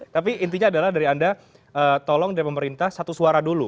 tapi intinya adalah dari anda tolong dari pemerintah satu suara dulu